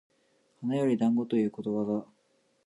花より団子ということわざ